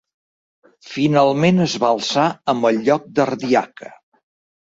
Finalment es va alçar amb el lloc d'ardiaca.